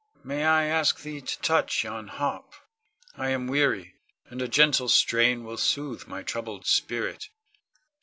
May I ask thee to touch yon harp? I am weary, and a gentle strain will sooth my troubled spirit.